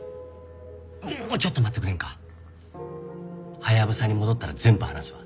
ハヤブサに戻ったら全部話すわ。